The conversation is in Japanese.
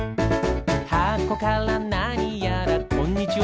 「はこからなにやらこんにちは」